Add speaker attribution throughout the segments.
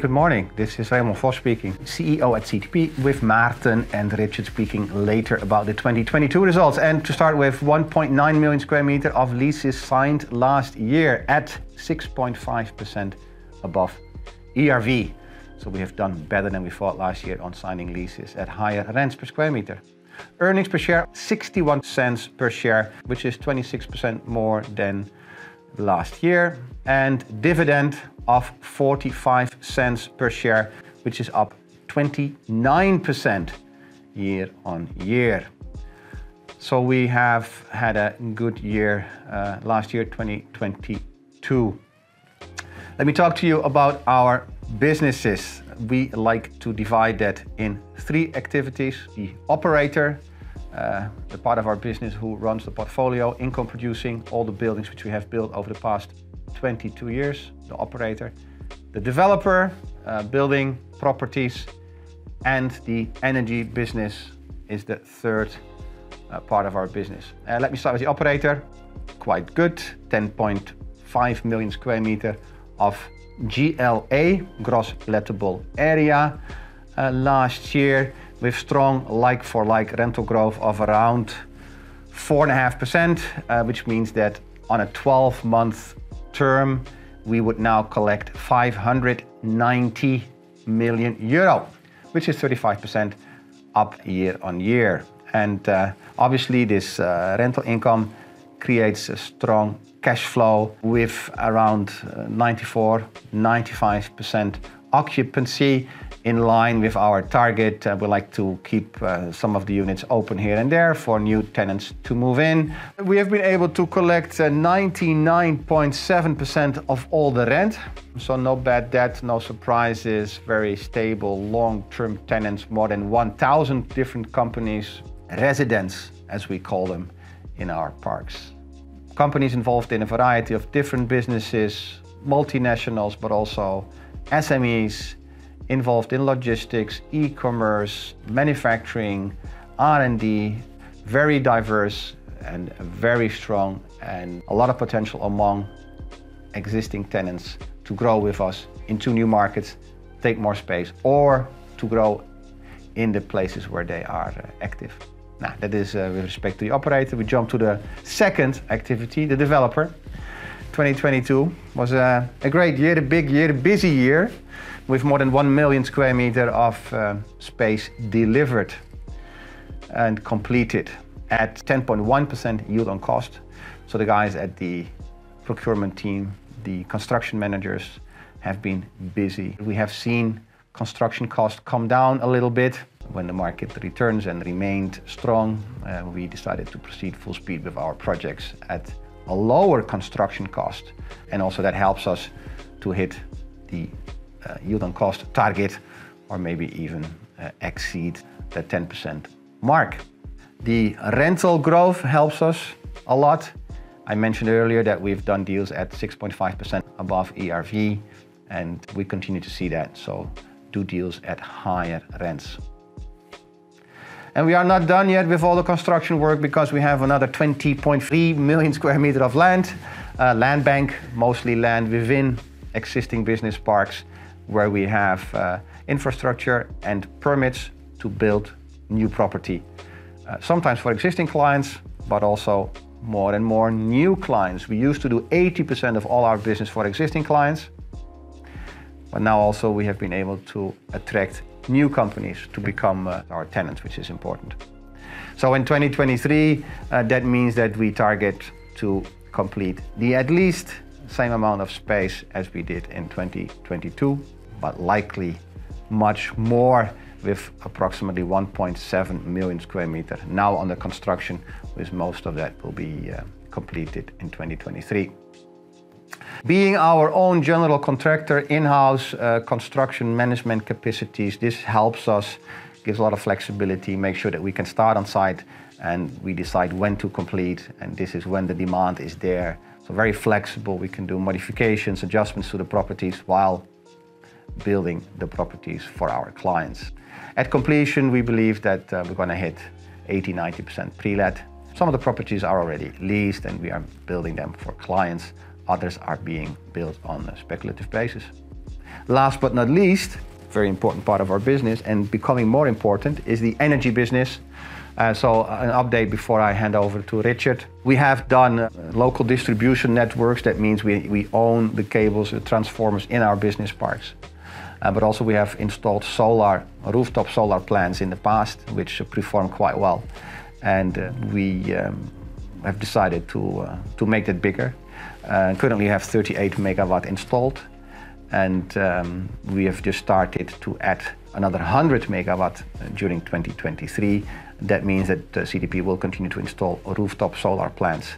Speaker 1: Good morning. This is Remon Vos speaking, CEO at CTP, with Maarten and Richard speaking later about the 2022 results. To start with, 1.9 million m² of leases signed last year at 6.5% above ERV. We have done better than we thought last year on signing leases at higher rents per square meter. Earnings per share, 0.61 per share, which is 26% more than last year. Dividend of 0.45 per share, which is up 29% year-on-year. We have had a good year last year, 2022. Let me talk to you about our businesses. We like to divide that in three activities. The operator, the part of our business who runs the portfolio, income producing, all the buildings which we have built over the past 22 years, the operator. The developer, building properties. The energy business is the third part of our business. Let me start with the operator. Quite good. 10.5 million sq m of GLA, gross lettable area, last year with strong like-for-like rental growth of around 4.5%, which means that on a 12-month term we would now collect 590 million euro, which is 35% up year-on-year. Obviously this rental income creates a strong cash flow with around 94%, 95% occupancy in line with our target. We like to keep some of the units open here and there for new tenants to move in. We have been able to collect 99.7% of all the rent, so no bad debt, no surprises. Very stable long-term tenants. More than 1,000 different companies. Residents, as we call them, in our parks. Companies involved in a variety of different businesses, multinationals, but also SMEs involved in logistics, e-commerce, manufacturing, R&D. Very diverse and very strong, and a lot of potential among existing tenants to grow with us into new markets, take more space, or to grow in the places where they are active. Now, that is with respect to the operator. We jump to the second activity, the developer. 2022 was a great year, a big year, a busy year with more than 1 million sq m of space delivered and completed at 10.1% yield on cost. The guys at the procurement team, the construction managers, have been busy. We have seen construction costs come down a little bit when the market returns and remained strong. We decided to proceed full speed with our projects at a lower construction cost. Also that helps us to hit the yield on cost target or maybe even exceed the 10% mark. The rental growth helps us a lot. I mentioned earlier that we've done deals at 6.5% above ERV, and we continue to see that, so do deals at higher rents. We are not done yet with all the construction work because we have another 20.3 million sq m of land bank, mostly land within existing business parks where we have infrastructure and permits to build new property, sometimes for existing clients, but also more and more new clients. We used to do 80% of all our business for existing clients, but now also we have been able to attract new companies to become our tenants, which is important. In 2023, that means that we target to complete the at least same amount of space as we did in 2022, but likely much more with approximately 1.7 million sq m now under construction, with most of that will be completed in 2023. Being our own general contractor, in-house construction management capacities, this helps us, gives a lot of flexibility, make sure that we can start on site and we decide when to complete, and this is when the demand is there. Very flexible. We can do modifications, adjustments to the properties while building the properties for our clients. At completion, we believe that we're gonna hit 80%, 90% pre-let. Some of the properties are already leased, and we are building them for clients. Others are being built on a speculative basis. Last but not least, very important part of our business and becoming more important, is the energy business. An update before I hand over to Richard. We have done local distribution networks. That means we own the cables, the transformers in our business parks. Also we have installed solar, rooftop solar plants in the past which have performed quite well. We have decided to make that bigger. Currently we have 38 MW installed and we have just started to add another 100 MW during 2023. That means that CTP will continue to install rooftop solar plants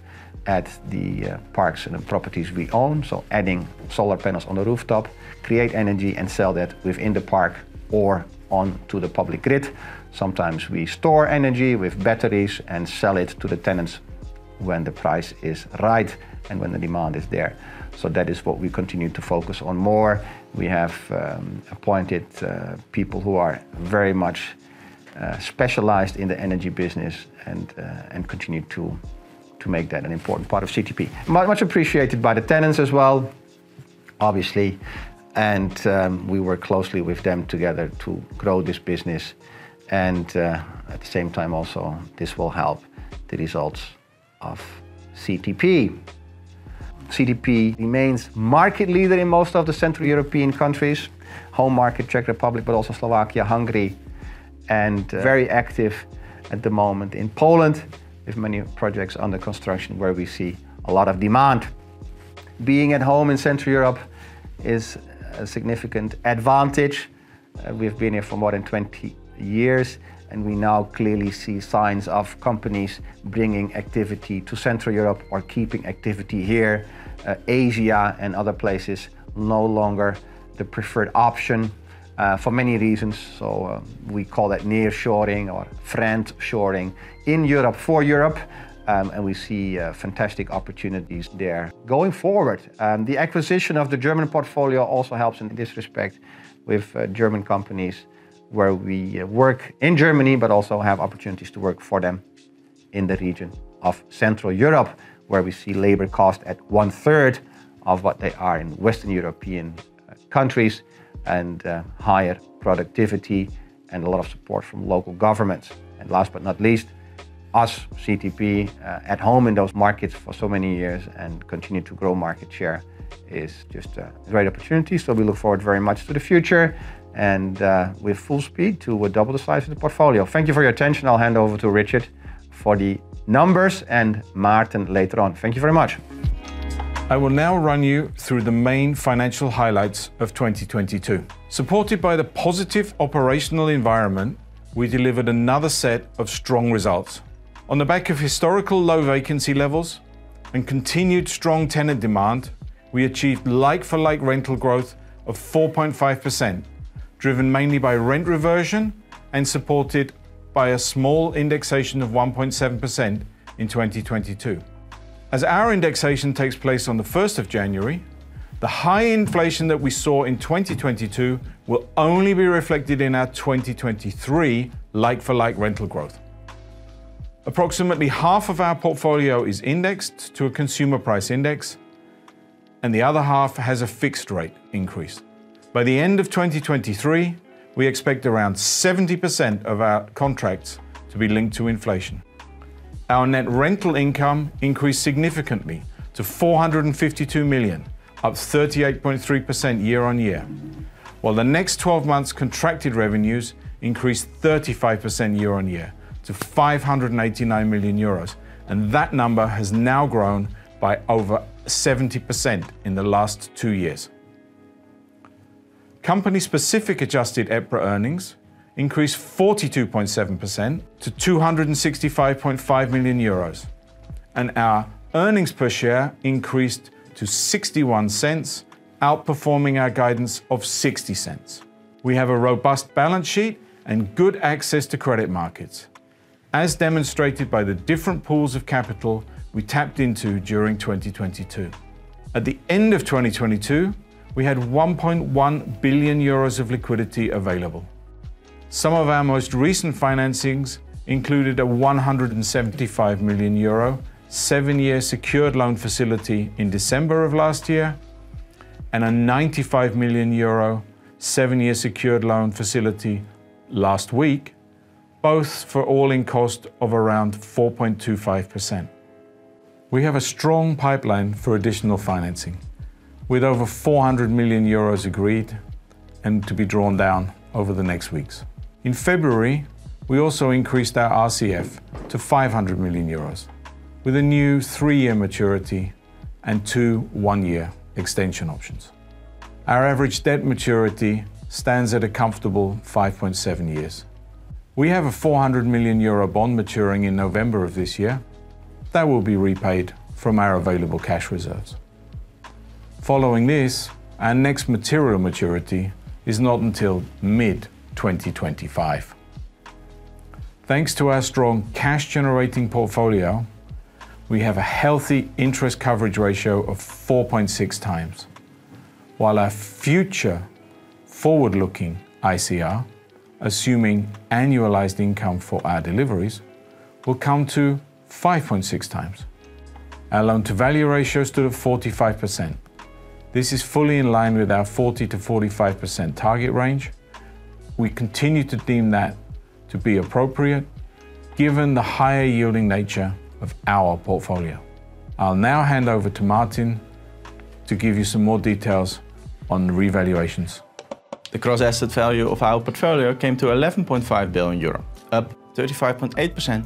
Speaker 1: at the parks and properties we own. Adding solar panels on the rooftop, create energy and sell that within the park or onto the public grid. Sometimes we store energy with batteries and sell it to the tenants when the price is right and when the demand is there. That is what we continue to focus on more. We have appointed people who are very much specialized in the energy business and continued to make that an important part of CTP. Much appreciated by the tenants as well, obviously, we work closely with them together to grow this business and at the same time also, this will help the results of CTP. CTP remains market leader in most of the Central European countries, home market Czech Republic, but also Slovakia, Hungary. Very active at the moment in Poland with many projects under construction where we see a lot of demand. Being at home in Central Europe is a significant advantage. We've been here for more than 20 years, and we now clearly see signs of companies bringing activity to Central Europe or keeping activity here. Asia and other places no longer the preferred option for many reasons. We call that nearshoring or friendshoring in Europe for Europe, and we see fantastic opportunities there. Going forward, the acquisition of the German portfolio also helps in this respect with German companies where we work in Germany but also have opportunities to work for them in the region of Central Europe where we see labor cost at one-third of what they are in Western European countries, and higher productivity, and a lot of support from local governments. Last but not least, us, CTP, at home in those markets for so many years and continue to grow market share is just a great opportunity. We look forward very much to the future and with full speed to double the size of the portfolio. Thank you for your attention. I'll hand over to Richard for the numbers and Maarten later on. Thank you very much.
Speaker 2: I will now run you through the main financial highlights of 2022. Supported by the positive operational environment, we delivered another set of strong results. On the back of historical low vacancy levels and continued strong tenant demand, we achieved like-for-like rental growth of 4.5%, driven mainly by rent reversion and supported by a small indexation of 1.7% in 2022. As our indexation takes place on the 1st of January, the high inflation that we saw in 2022 will only be reflected in our 2023 like-for-like rental growth. Approximately half of our portfolio is indexed to a consumer price index and the other half has a fixed rate increase. By the end of 2023, we expect around 70% of our contracts to be linked to inflation. Our net rental income increased significantly to 452 million, up 38.3% year-on-year, while the next 12 months' contracted revenues increased 35% year-on-year to 589 million euros. That number has now grown by over 70% in the last two years. Company-specific adjusted EPRA earnings increased 42.7% to 265.5 million euros, and our earnings per share increased to 0.61, outperforming our guidance of 0.60. We have a robust balance sheet and good access to credit markets, as demonstrated by the different pools of capital we tapped into during 2022. At the end of 2022, we had 21.1 billion euros of liquidity available. Some of our most recent financings included a 175 million euro, seven-year secured loan facility in December of last year, and a 95 million euro, seven-year secured loan facility last week, both for all-in cost of around 4.25%. We have a strong pipeline for additional financing, with over 400 million euros agreed and to be drawn down over the next weeks. In February, we also increased our RCF to 500 million euros with a new three-year maturity and two one-year extension options. Our average debt maturity stands at a comfortable 5.7 years. We have a 400 million euro bond maturing in November of this year. That will be repaid from our available cash reserves. Following this, our next material maturity is not until mid-2025. Thanks to our strong cash-generating portfolio, we have a healthy interest coverage ratio of 4.6x, while our future forward-looking ICR, assuming annualized income for our deliveries, will come to 5.6x. Our loan-to-value ratio stood at 45%. This is fully in line with our 40%-45% target range. We continue to deem that to be appropriate given the higher yielding nature of our portfolio. I'll now hand over to Maarten to give you some more details on revaluations.
Speaker 3: The cross asset value of our portfolio came to 11.5 billion euro, up 35.8%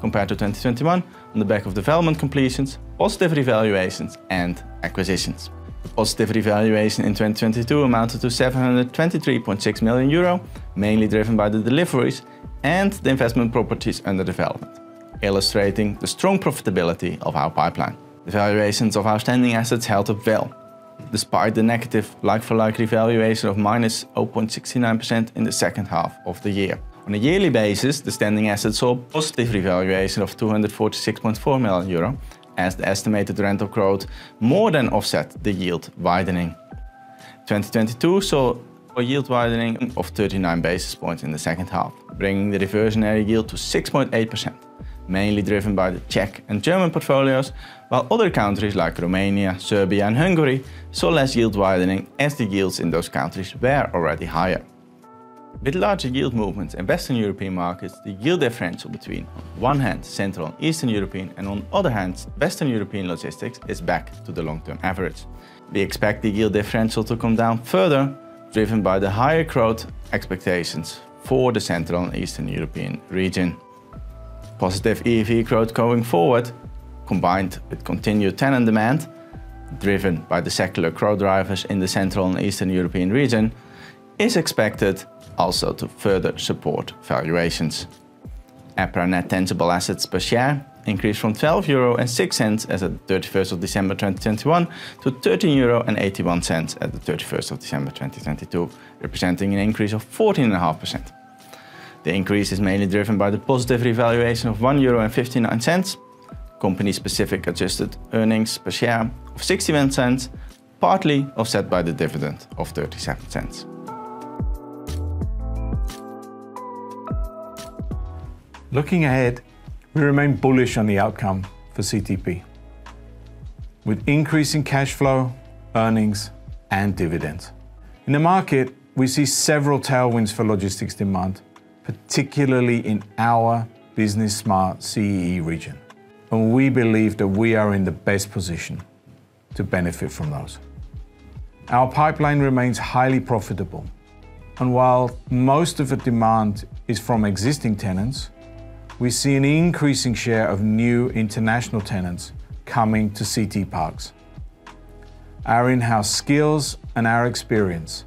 Speaker 3: compared to 2021 on the back of development completions, positive revaluations, and acquisitions. Positive revaluation in 2022 amounted to 723.6 million euro, mainly driven by the deliveries and the investment properties under development, illustrating the strong profitability of our pipeline. The valuations of our standing assets held up well, despite the negative like-for-like revaluation of minus 0.69% in the second half of the year. On a yearly basis, the standing assets saw a positive revaluation of 246.4 million euro as the estimated rental growth more than offset the yield widening. 2022 saw a yield widening of 39 basis points in the second half, bringing the reversionary yield to 6.8%, mainly driven by the Czech and German portfolios. While other countries like Romania, Serbia, and Hungary saw less yield widening as the yields in those countries were already higher. With larger yield movements in Western European markets, the yield differential between, on one hand, Central and Eastern European, and on other hand, Western European logistics is back to the long-term average. We expect the yield differential to come down further, driven by the higher growth expectations for the Central and Eastern European region. Positive EU growth going forward, combined with continued tenant demand, driven by the secular growth drivers in the Central and Eastern European region, is expected also to further support valuations. EPRA net tangible assets per share increased from 12.06 euro as of 31st of December 2021 to 13.81 euro at 31st of December 2022, representing an increase of 14.5%. The increase is mainly driven by the positive revaluation of 1.59 euro, company specific adjusted earnings per share of 0.61, partly offset by the dividend of 0.37. Looking ahead, we remain bullish on the outcome for CTP. With increasing cash flow, earnings, and dividends. In the market, we see several tailwinds for logistics demand, particularly in our business smart CEE region. We believe that we are in the best position to benefit from those. Our pipeline remains highly profitable. While most of the demand is from existing tenants, we see an increasing share of new international tenants coming to CT parks. Our in-house skills and our experience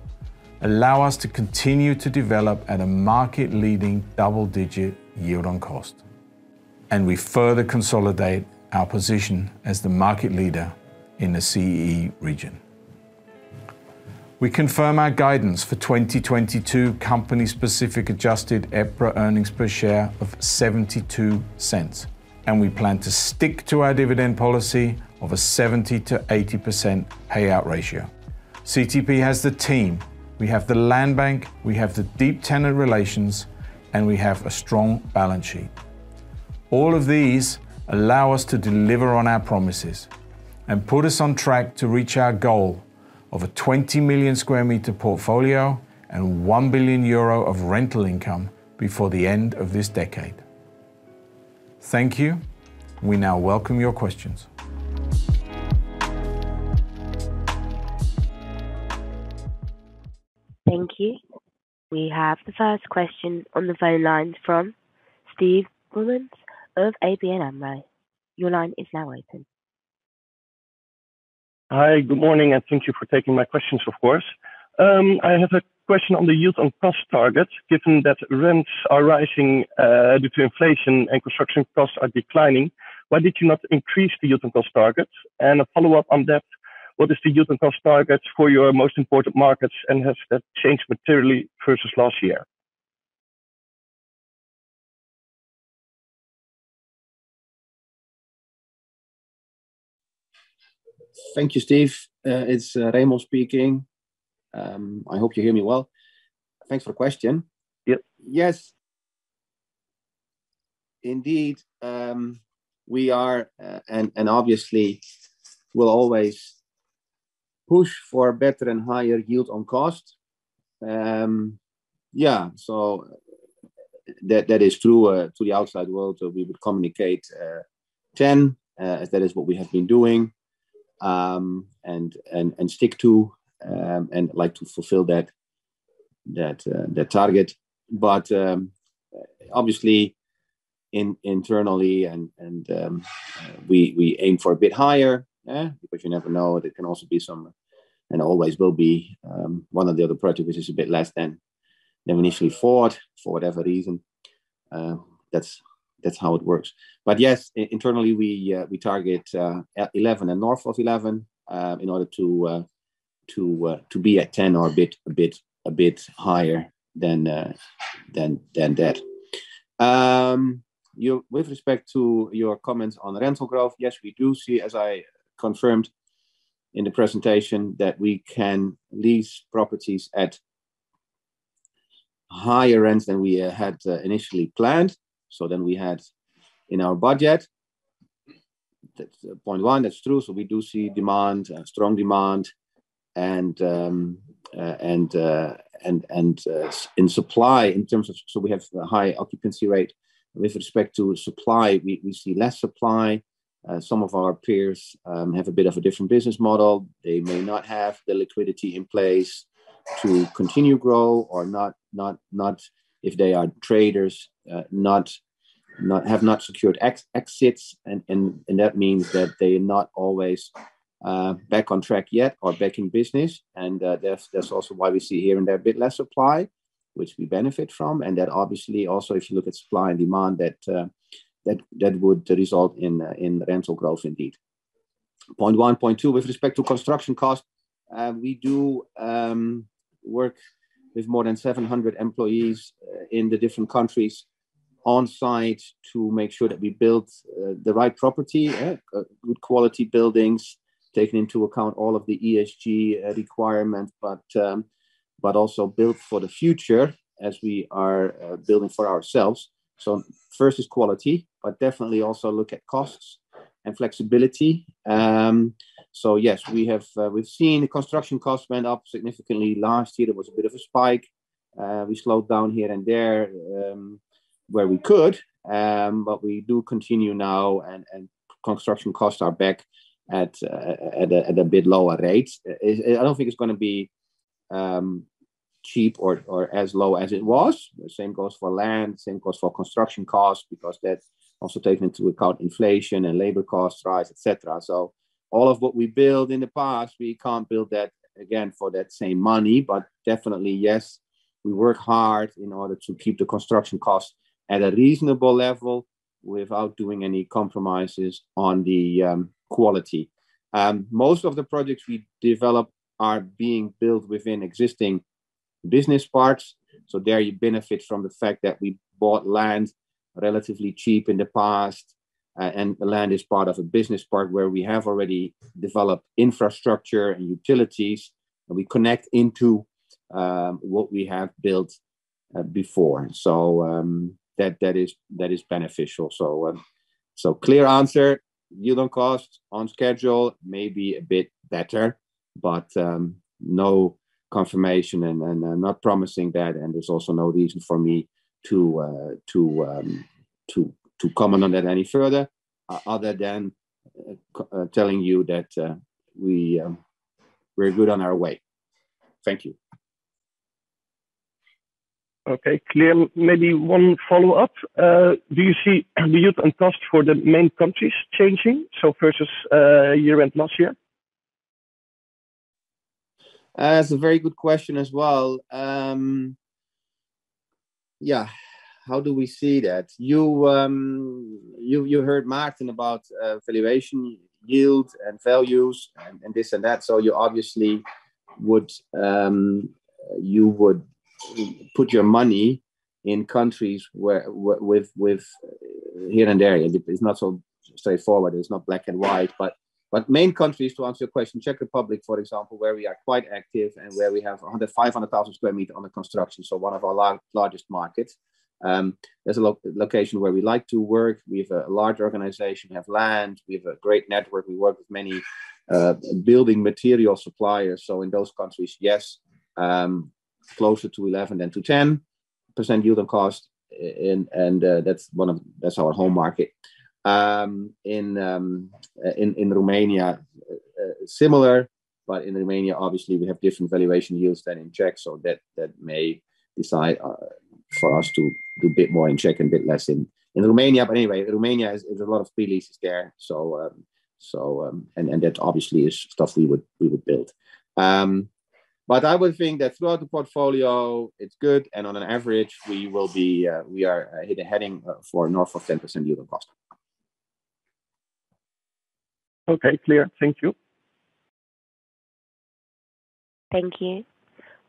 Speaker 3: allow us to continue to develop at a market-leading double-digit yield on cost. We further consolidate our position as the market leader in the CEE region. We confirm our guidance for 2022 company specific adjusted EPRA earnings per share of 0.72. We plan to stick to our dividend policy of a 70%-80% payout ratio. CTP has the team. We have the land bank, we have the deep tenant relations, and we have a strong balance sheet. All of these allow us to deliver on our promises and put us on track to reach our goal of a 20 million sq m portfolio and 1 billion euro of rental income before the end of this decade. Thank you. We now welcome your questions.
Speaker 4: Thank you. We have the first question on the phone line from Steven Boumans of ABN AMRO. Your line is now open.
Speaker 5: Hi. Good morning, thank you for taking my questions, of course. I have a question on the yield on cost targets. Given that rents are rising, due to inflation and construction costs are declining, why did you not increase the yield on cost targets? A follow-up on that, what is the yield on cost targets for your most important markets, and has that changed materially versus last year?
Speaker 1: Thank you, Steve. It's Remon speaking. I hope you hear me well. Thanks for question.
Speaker 5: Yep.
Speaker 1: Yes. Indeed, we are and obviously will always push for better and higher yield on cost. Yeah, that is true to the outside world. We would communicate 10 as that is what we have been doing, and stick to and like to fulfill that target. Obviously internally, we aim for a bit higher, because you never know, there can also be some and always will be one or the other project which is a bit less than we initially thought for whatever reason. That's how it works. Yes, internally we target 11 and north of 11 in order to be at 10 or a bit higher than that. With respect to your comments on rental growth, yes, we do see, as I confirmed in the presentation, that we can lease properties at higher rents than we had initially planned. Than we had in our budget. That's point one. That's true. We do see demand, strong demand and in supply in terms of. We have high occupancy rate. With respect to supply, we see less supply. Some of our peers have a bit of a different business model. They may not have the liquidity in place to continue grow or not if they are traders, have not secured exits and that means that they are not always back on track yet or back in business. That's also why we see here and there a bit less supply, which we benefit from. That obviously also if you look at supply and demand, that would result in rental growth indeed. Point one. Point two, with respect to construction costs, we do work with more than 700 employees in the different countries on site to make sure that we build the right property, good quality buildings, taking into account all of the ESG requirements, but also built for the future as we are building for ourselves. First is quality, but definitely also look at costs and flexibility. Yes, we've seen construction costs went up significantly last year. There was a bit of a spike. We slowed down here and there, where we could. We do continue now, and construction costs are back at a bit lower rates. I don't think it's gonna be cheap or as low as it was. The same goes for land, same goes for construction costs, because that's also taking into account inflation and labor cost rise, et cetera. All of what we built in the past, we can't build that again for that same money. Definitely, yes, we work hard in order to keep the construction costs at a reasonable level without doing any compromises on the quality. Most of the projects we develop are being built within existing business parts. There you benefit from the fact that we bought land relatively cheap in the past. And the land is part of a business part where we have already developed infrastructure and utilities, and we connect into what we have built before. That, that is, that is beneficial. Clear answer, yield on cost on schedule may be a bit better, but, no confirmation and I'm not promising that. There's also no reason for me to comment on that any further other than telling you that we're good on our way. Thank you.
Speaker 5: Okay. Clear. Maybe one follow-up. Do you see the yield on cost for the main countries changing, versus year end last year?
Speaker 1: That's a very good question as well. Yeah. How do we see that? You heard Maarten about valuation yield and values and this and that. You obviously would put your money in countries where with here and there. It's not so straightforward. It's not black and white. Main countries, to answer your question, Czech Republic, for example, where we are quite active and where we have 105,000 sq m under construction. One of our largest markets. There's a location where we like to work. We have a large organization. We have land. We have a great network. We work with many building material suppliers. In those countries, yes, closer to 11% than to 10% yield on cost. That's one of... That's our home market. In Romania, similar, but in Romania obviously we have different valuation yields than in Czech. That may decide for us to do a bit more in Czech and a bit less in Romania. Anyway, Romania is a lot of pre-leases there. That obviously is stuff we would build. I would think that throughout the portfolio it's good and on an average we will be, we are heading for north of 10% yield on cost.
Speaker 5: Okay. Clear. Thank you.
Speaker 4: Thank you.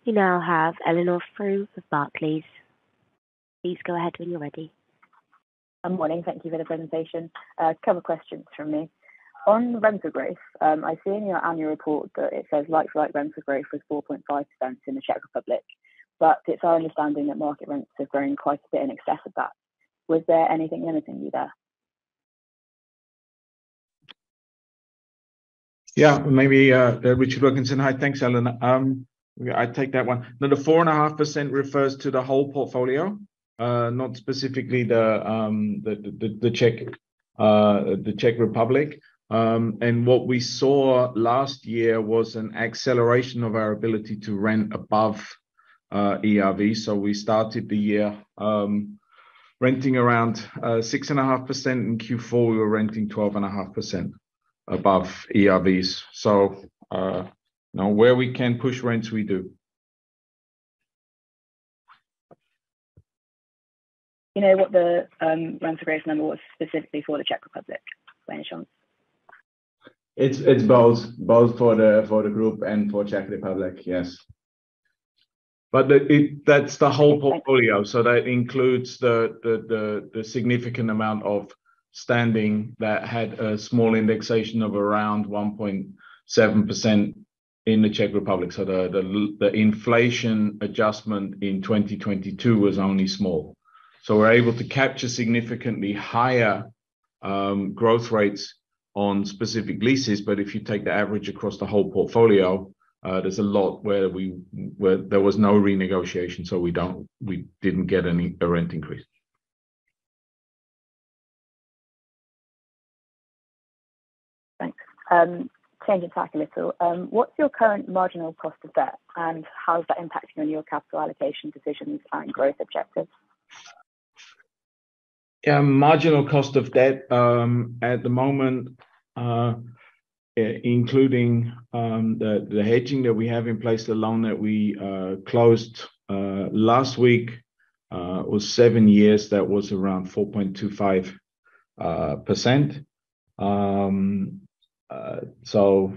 Speaker 4: We now have Eleanor Frew with Barclays. Please go ahead when you're ready.
Speaker 6: Good morning. Thank you for the presentation. A couple questions from me. On rental growth, I see in your annual report that it says like-for-like rental growth was 4.5% in the Czech Republic. It's our understanding that market rents have grown quite a bit in excess of that. Was there anything limiting you there?
Speaker 2: Yeah, maybe Richard Wilkinson. Hi. Thanks, Eleanor. I take that one. No, the 4.5% refers to the whole portfolio, not specifically the Czech Republic. What we saw last year was an acceleration of our ability to rent above ERV. We started the year renting around 6.5%. In Q4, we were renting 12.5% above ERVs. Now where we can push rents, we do.
Speaker 6: Do you know what the rental growth number was specifically for the Czech Republic by any chance?
Speaker 2: It's both for the group and for Czech Republic, yes. That's the whole portfolio. That includes the significant amount of standing that had a small indexation of around 1.7% in the Czech Republic. The inflation adjustment in 2022 was only small. We're able to capture significantly higher growth rates on specific leases. If you take the average across the whole portfolio, there's a lot where there was no renegotiation, so we didn't get any rent increase.
Speaker 6: Thanks. Changing tack a little, what's your current marginal cost of debt, and how is that impacting on your capital allocation decisions and growth objectives?
Speaker 2: Marginal cost of debt, at the moment, including the hedging that we have in place, the loan that we closed last week, was seven years. That was around 4.25%. So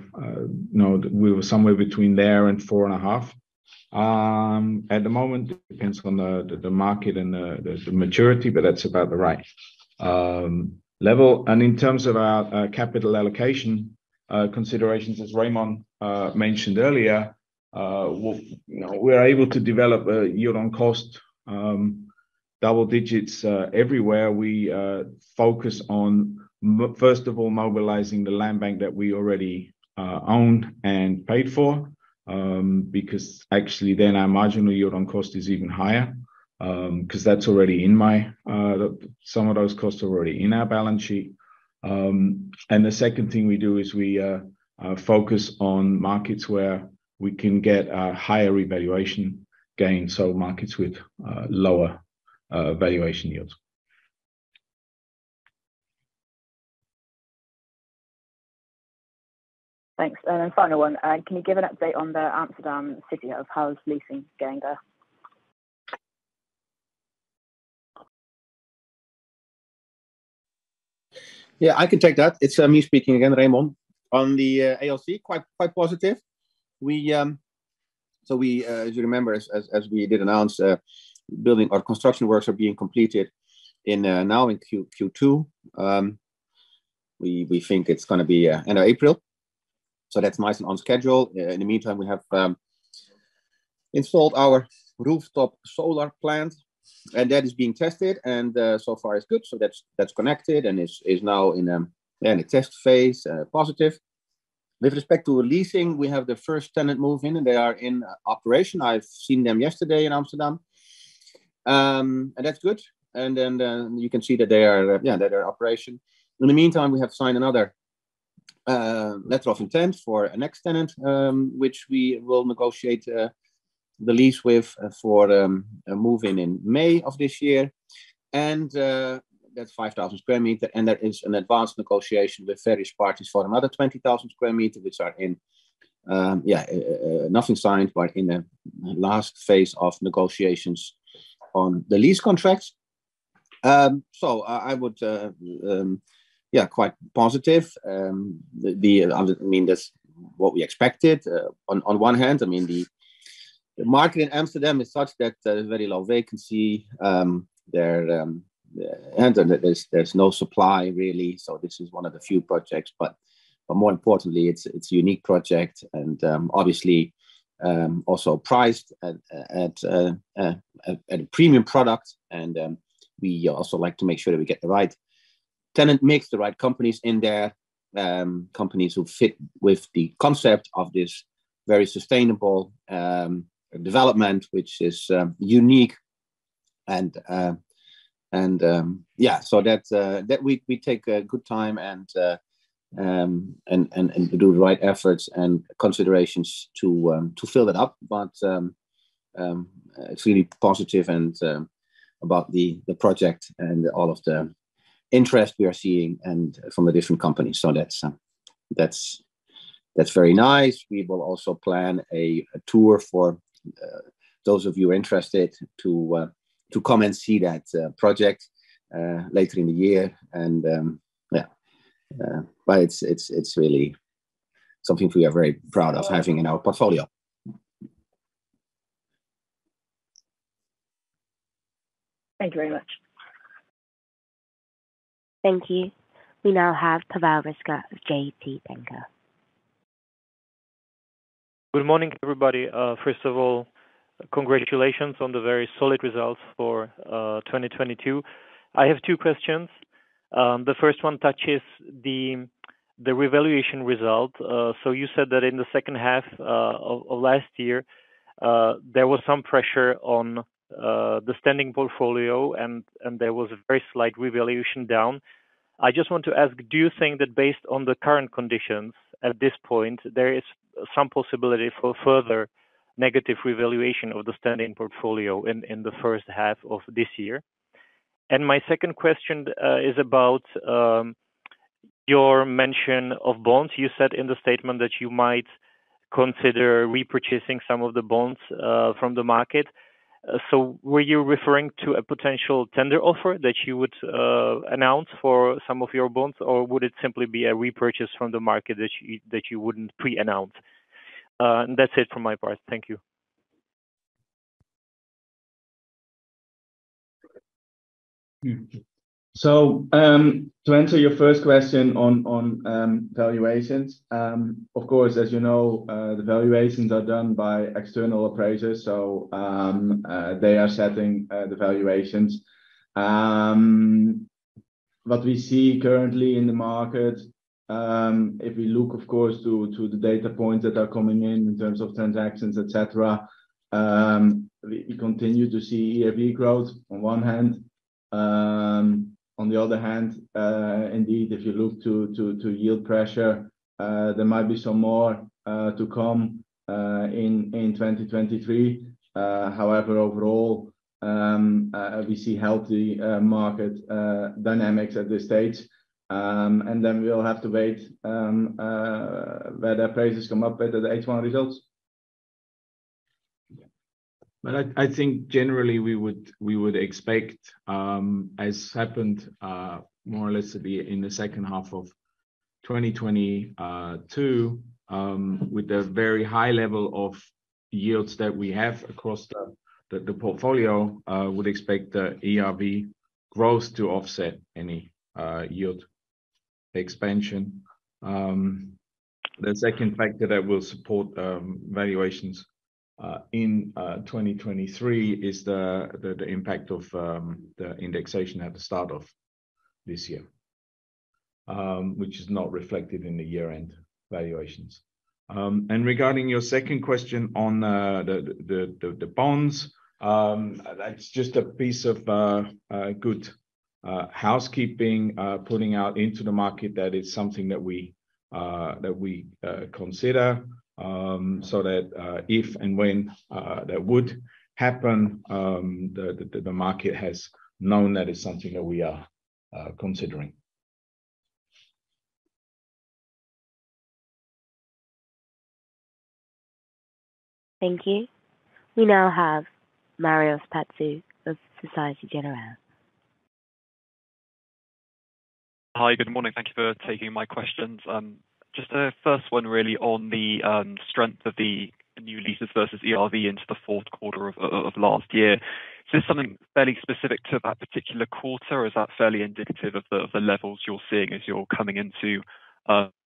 Speaker 2: now we were somewhere between there and 4.5%. At the moment, it depends on the market and the maturity, but that's about the right level. In terms of our capital allocation considerations, as Remon mentioned earlier, you know, we are able to develop a yield on cost, double digits everywhere. We focus on first of all, mobilizing the land bank that we already own and paid for, because actually then our marginal yield on cost is even higher, 'cause that's already in my... some of those costs are already in our balance sheet. The second thing we do is we focus on markets where we can get a higher revaluation gain, so markets with lower valuation yields.
Speaker 6: Thanks. Final one, can you give an update on the Amsterdam City of how's leasing going there?
Speaker 1: Yeah, I can take that. It's me speaking again, Remon. On the ALC, quite positive. We, as you remember, as we did announce, building or construction works are being completed in Q2. We think it's gonna be end of April, that's nice and on schedule. In the meantime, we have installed our rooftop solar plant, that is being tested, so far it's good. That's connected and is now in a test phase, positive. With respect to leasing, we have the first tenant move in and they are in operation. I've seen them yesterday in Amsterdam. That's good. You can see that they are, yeah, they are in operation. In the meantime, we have signed another letter of intent for a next tenant, which we will negotiate the lease with for a move in in May of this year. That's 5,000 sq m, and there is an advanced negotiation with various parties for another 20,000 sq m, which are in, yeah, nothing signed, but in the last phase of negotiations on the lease contracts. I would, yeah, quite positive. I mean, that's what we expected. On one hand, I mean, the market in Amsterdam is such that there's very low vacancy. There, and there's no supply really, so this is one of the few projects. More importantly, it's a unique project and obviously also priced at a premium product. We also like to make sure that we get the right tenant mix, the right companies in there, companies who fit with the concept of this very sustainable development, which is unique and yeah. That's that we take good time and do the right efforts and considerations to fill that up. It's really positive about the project and all of the interest we are seeing and from the different companies. That's very nice. We will also plan a tour for those of you interested to come and see that project later in the year. Yeah. It's really something we are very proud of having in our portfolio.
Speaker 6: Thank you very much.
Speaker 4: Thank you. We now have Pavel Ryska of [J&T Banka].
Speaker 7: Good morning, everybody. First of all, congratulations on the very solid results for 2022. I have two questions. The first one touches the revaluation result. So you said that in the second half of last year, there was some pressure on the standing portfolio and there was a very slight revaluation down. I just want to ask, do you think that based on the current conditions at this point, there is some possibility for further negative revaluation of the standing portfolio in the first half of this year? My second question is about your mention of bonds. You said in the statement that you might consider repurchasing some of the bonds from the market. Were you referring to a potential tender offer that you would announce for some of your bonds, or would it simply be a repurchase from the market that you wouldn't pre-announce? That's it from my part. Thank you.
Speaker 2: So to answer your first question on valuations, of course as you know, the valuations are done by external appraisers, so they are setting the valuations. What we see currently in the market, if we look to the data points that are coming in in terms of transactions, etcetera, we continue to see ERV growth on one hand. On the other hand, indeed, if you look to yield pressure, there might be some more to come in 2023. However, overall, we see healthy market dynamics at this stage Then we'll have to wait where the appraisers come up with the H1 results. I think generally we would expect as happened more or less to be in the second half of 2022 with the very high level of yields that we have across the portfolio, would expect the ERV growth to offset any yield expansion. The second factor that will support valuations in 2023 is the impact of the indexation at the start of this year, which is not reflected in the year-end valuations. Regarding your second question on the bonds, that's just a piece of good housekeeping, putting out into the market that is something that we consider, so that if and when that would happen, the market has known that is something that we are considering.
Speaker 4: Thank you. We now have Marios Pastou of Société Générale.
Speaker 8: Hi. Good morning. Thank you for taking my questions. Just a first one really on the strength of the new leases versus ERV into the fourth quarter of last year. Is this something fairly specific to that particular quarter, or is that fairly indicative of the levels you're seeing as you're coming into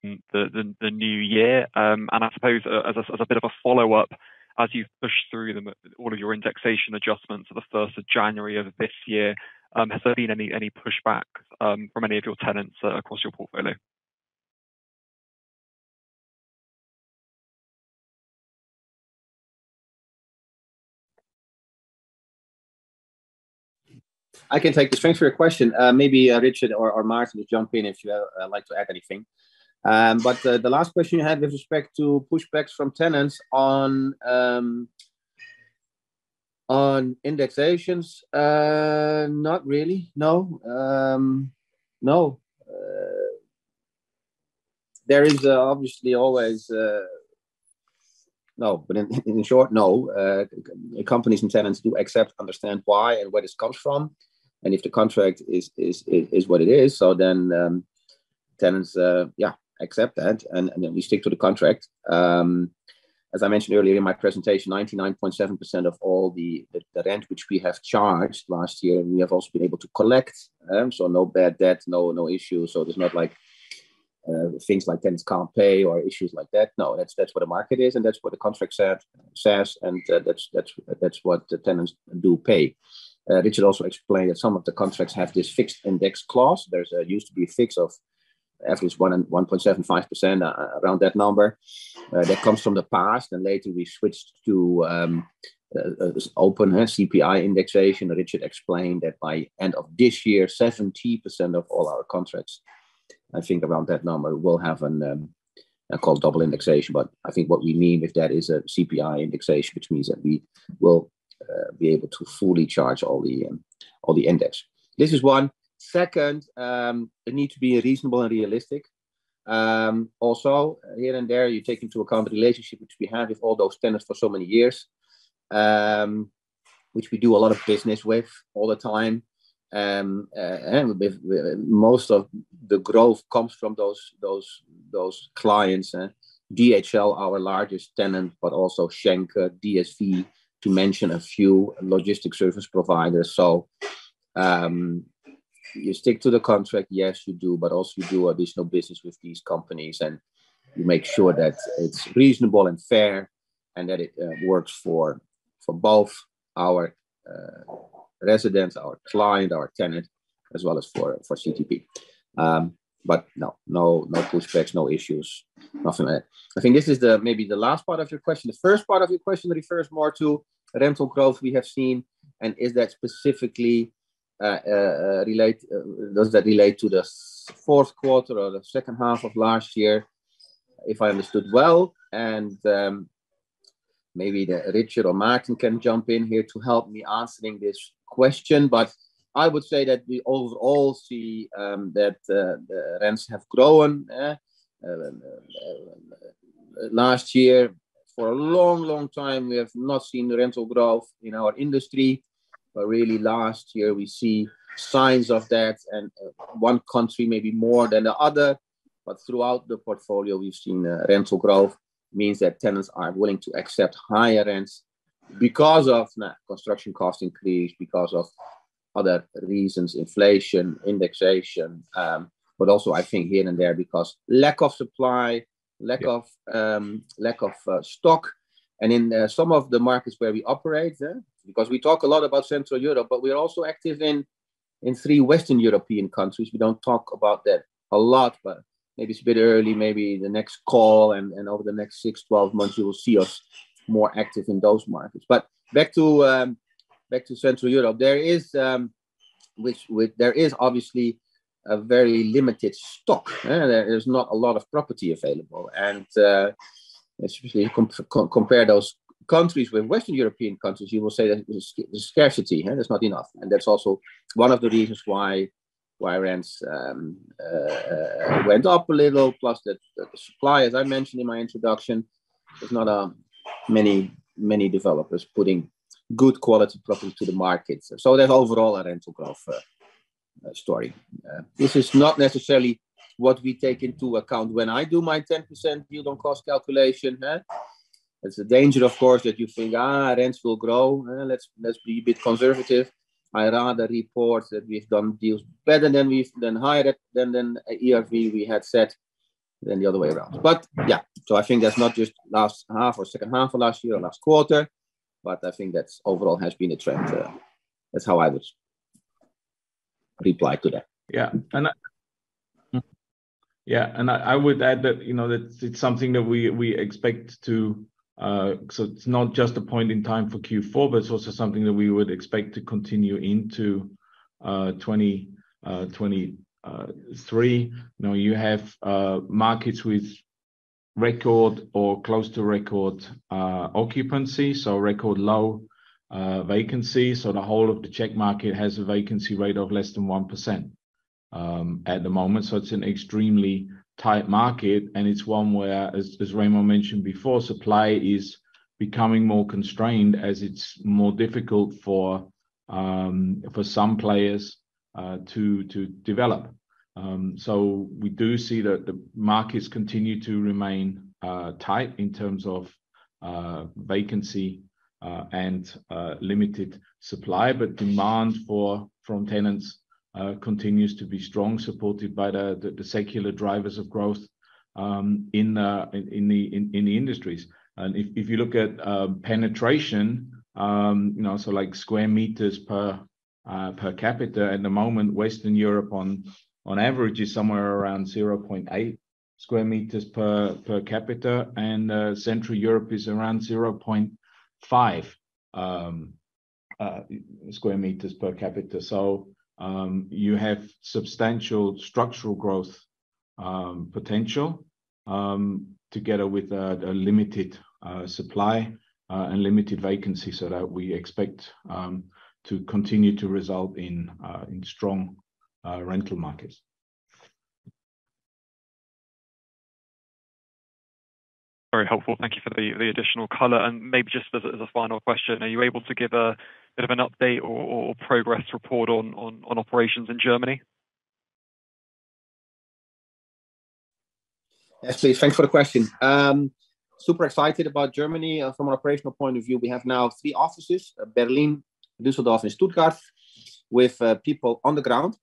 Speaker 8: the new year? I suppose as a bit of a follow-up, as you push through all of your indexation adjustments at the first of January of this year, has there been any pushbacks from any of your tenants across your portfolio?
Speaker 1: I can take this. Thanks for your question. maybe Richard or Maarten will jump in if you have like to add anything. The last question you had with respect to pushbacks from tenants on indexations, not really, no. No. There is obviously always. No. In short, no. Companies and tenants do accept, understand why and where this comes from, and if the contract is what it is, so then, tenants, yeah, accept that, and then we stick to the contract. As I mentioned earlier in my presentation, 99.7% of all the rent which we have charged last year, we have also been able to collect. No bad debt, no issues. There's not like, things like tenants can't pay or issues like that. No. That's, that's what the market is, and that's what the contract said, says, and that's, that's what the tenants do pay. Richard also explained that some of the contracts have this fixed index clause. There's used to be a fix of at least 1.75% around that number that comes from the past. And later we switched to this open CPI indexation. Richard explained that by end of this year, 70% of all our contracts, I think around that number, will have an called double indexation. But I think what we mean with that is a CPI indexation, which means that we will be able to fully charge all the all the index. This is one. Second, the need to be reasonable and realistic. Also here and there, you take into account the relationship which we have with all those tenants for so many years, which we do a lot of business with all the time. With most of the growth comes from those clients. DHL, our largest tenant, but also Schenker, DSV, to mention a few logistic service providers. You stick to the contract, yes, you do, but also you do additional business with these companies, and you make sure that it's reasonable and fair and that it works for both our residents, our client, our tenant, as well as for CTP. No pushbacks, no issues, nothing like that. I think this is the maybe the last part of your question. The first part of your question refers more to rental growth we have seen and is that specifically, does that relate to the fourth quarter or the second half of last year? If I understood well, maybe Richard or Maarten can jump in here to help me answering this question. I would say that we all see that the rents have grown last year. For a long, long time, we have not seen the rental growth in our industry. Really last year we see signs of that and one country maybe more than the other. Throughout the portfolio, we've seen rental growth, means that tenants are willing to accept higher rents because of construction cost increase, because of other reasons, inflation, indexation, but also I think here and there because lack of supply, lack of stock. In some of the markets where we operate, because we talk a lot about Central Europe, but we are also active in three Western European countries. We don't talk about that a lot, but maybe it's a bit early, maybe the next call and over the next six, 12 months, you will see us more active in those markets. Back to Central Europe. There is obviously a very limited stock. There is not a lot of property available. Especially compare those countries with Western European countries, you will say that the scarcity there's not enough. That's also one of the reasons Why rents went up a little plus the supply, as I mentioned in my introduction, there's not many, many developers putting good quality property to the market. There's overall a rental growth story. This is not necessarily what we take into account when I do my 10% yield on cost calculation. There's a danger, of course, that you think, "rents will grow, let's be a bit conservative." I rather report that we've done deals better than higher than ERV we had set than the other way around. Yeah, so I think that's not just last half or second half of last year or last quarter, but I think that's overall has been a trend. That's how I would reply to that.
Speaker 2: Yeah. I would add that, you know, that it's something that we expect to. It's not just a point in time for Q4, but it's also something that we would expect to continue into 2023. You know, you have markets with record or close to record occupancy, so record low vacancy. The whole of the Czech market has a vacancy rate of less than 1% at the moment. It's an extremely tight market, and it's one where as Remon mentioned before, supply is becoming more constrained as it's more difficult for some players to develop. We do see that the markets continue to remain tight in terms of vacancy and limited supply. Demand from tenants continues to be strong, supported by the secular drivers of growth in the industries. If you look at penetration, you know, like square meters per capita at the moment, Western Europe on average is somewhere around 0.8 sq m per capita and Central Europe is around 0.5 sq m per capita. You have substantial structural growth potential together with a limited supply and limited vacancy so that we expect to continue to result in strong rental markets.
Speaker 8: Very helpful. Thank you for the additional color. Maybe just as a final question, are you able to give a bit of an update or progress report on operations in Germany?
Speaker 1: Actually, thanks for the question. Super excited about Germany. From an operational point of view, we have now three offices, Berlin, Düsseldorf, and Stuttgart, with people on the ground.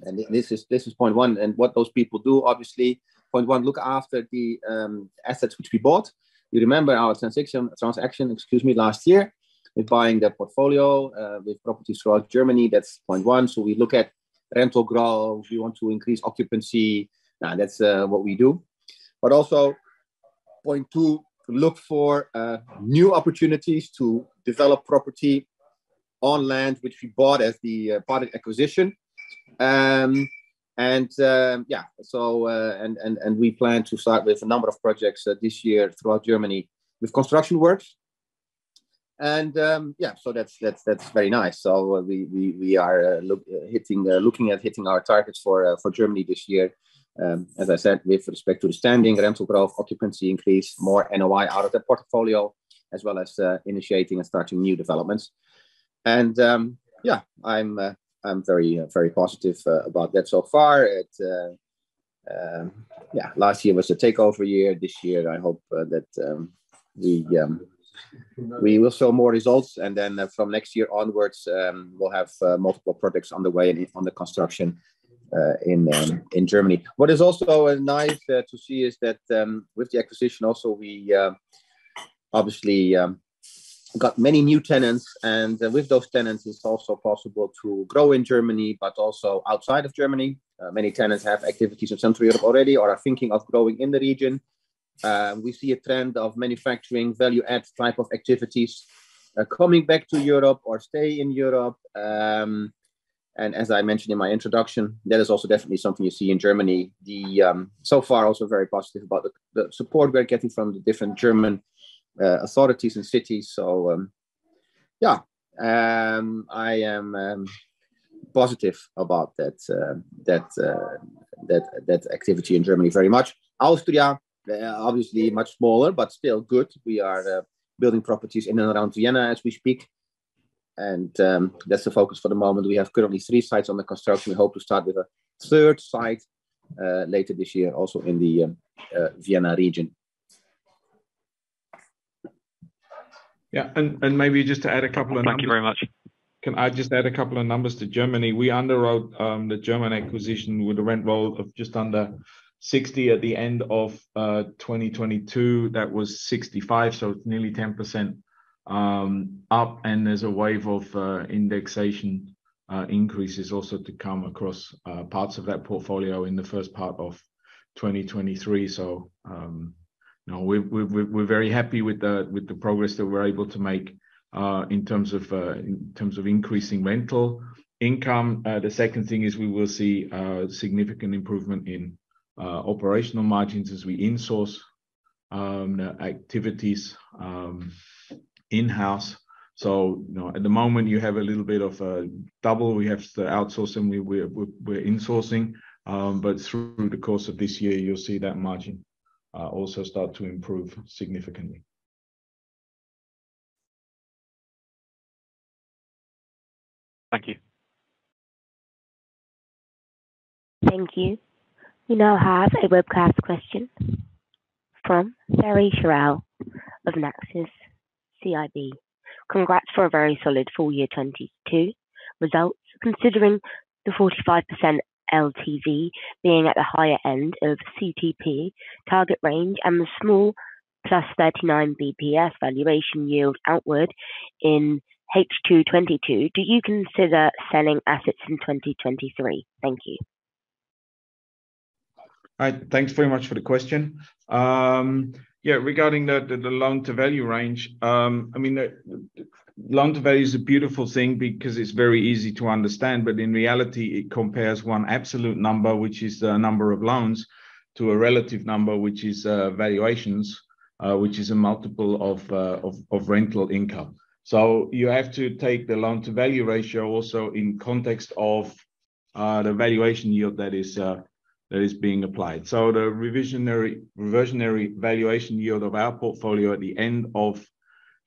Speaker 1: This is point one. What those people do, obviously, point one, look after the assets which we bought. You remember our transaction, excuse me, last year in buying the portfolio with properties throughout Germany. That's point one. We look at rental growth. We want to increase occupancy. Now that's what we do. Also point two, to look for new opportunities to develop property on land which we bought as the part of acquisition. Yeah, so... We plan to start with a number of projects this year throughout Germany with construction works. Yeah, so that's, that's very nice. We are looking at hitting our targets for Germany this year, as I said, with respect to the standing rental growth, occupancy increase, more NOI out of that portfolio, as well as initiating and starting new developments. Yeah, I'm very positive about that so far. It. Yeah, last year was the takeover year. This year I hope that we will show more results. From next year onwards, we'll have multiple projects on the way and under construction in Germany. What is also nice to see is that with the acquisition also we obviously got many new tenants, and with those tenants it's also possible to grow in Germany but also outside of Germany. Many tenants have activities in Central Europe already or are thinking of growing in the region. We see a trend of manufacturing value add type of activities coming back to Europe or stay in Europe. As I mentioned in my introduction, that is also definitely something you see in Germany. So far also very positive about the support we are getting from the different German authorities and cities. Yeah, I am positive about that activity in Germany very much. Austria, obviously much smaller, but still good. We are building properties in and around Vienna as we speak. That's the focus for the moment. We have currently three sites under construction. We hope to start with a third site later this year also in the Vienna region.
Speaker 2: Yeah. Maybe just to add a couple of numbers-
Speaker 8: Thank you very much.
Speaker 2: Can I just add a couple of numbers to Germany? We underwrote the German acquisition with a rent roll of just under 60 at the end of 2022. That was 65, so it's nearly 10% up. There's a wave of indexation increases also to come across parts of that portfolio in the first part of 2023. you know, we're very happy with the progress that we're able to make in terms of in terms of increasing rental income. The second thing is we will see significant improvement in operational margins as we insource activities in-house. you know, at the moment you have a little bit of a double. We have the outsourcing, we're insourcing. Through the course of this year, you'll see that margin also start to improve significantly.
Speaker 4: Thank you. We now have a webcast question from Barry Sherrill of Nexus CIB. Congrats for a very solid full year 2022 results. Considering the 45% LTV being at the higher end of CTP target range and the small +39 BPS valuation yield outward in H2 2022, do you consider selling assets in 2023? Thank you.
Speaker 2: All right. Thanks very much for the question. Yeah, regarding the loan-to-value range, I mean, the loan-to-value is a beautiful thing because it's very easy to understand, but in reality it compares one absolute number, which is the number of loans, to a relative number, which is valuations, which is a multiple of rental income. You have to take the loan-to-value ratio also in context of the valuation yield that is being applied. The reversionary valuation yield of our portfolio at the end of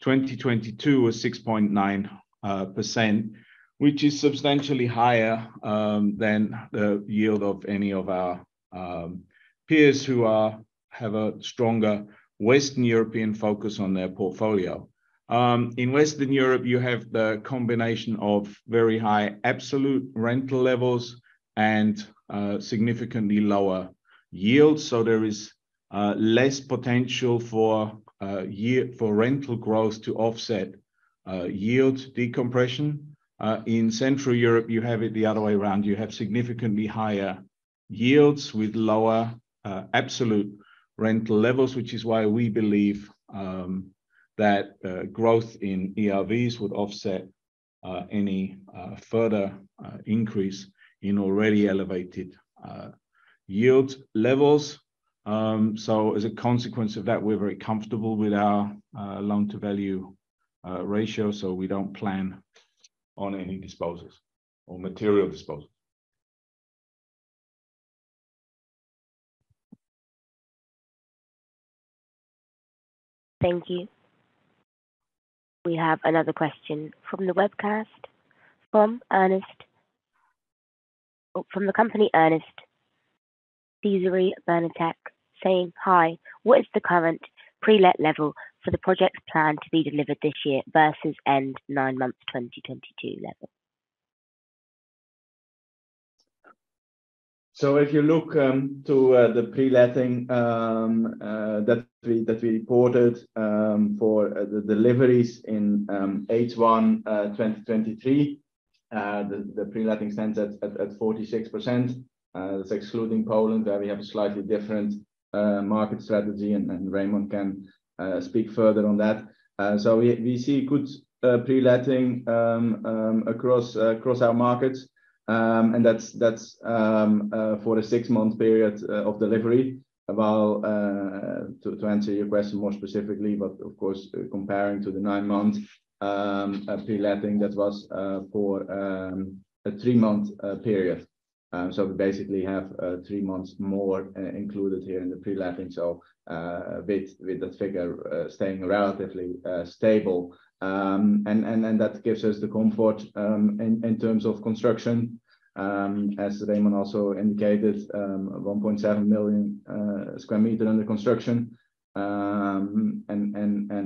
Speaker 2: 2022 was 6.9%, which is substantially higher than the yield of any of our peers who have a stronger Western European focus on their portfolio. In Western Europe, you have the combination of very high absolute rental levels and a significantly lower yield so there is a less potential for rental growth to offset yield decompression. In Central Europe you have it the other way around. You have significantly higher yields with lower, absolute rental levels, which is why we believe that growth in ERVs would offset any further increase in already elevated yield levels. So as a consequence of that we are very comfortable with our long term value ratio so we don't plan on any disposals or material disposals.
Speaker 4: Thank you. We have another question from the webcast from Ernest. From the company, Ernest Caesarea Bernatech saying, "Hi, what is the current pre-let level for the projects planned to be delivered this year versus end nine months 2022 level?
Speaker 2: So if you look to the pre-letting that we reported for the deliveries in H1 2023, the pre-letting stands at 46%. That's excluding Poland, where we have a slightly different market strategy and Remon can speak further on that. So we see good pre-letting across across our markets. And that's that's for the six-month period of delivery. While to answer your question more specifically, but of course, comparing to the nine-month pre-letting, that was for a three-month period. So we basically have three months more included here in the pre-letting. So with that figure staying relatively stable.
Speaker 9: That gives us the comfort in terms of construction. As Raymond also indicated, 1.7 million sq m under construction.